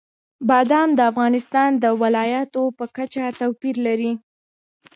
بادام د افغانستان د ولایاتو په کچه توپیر لري.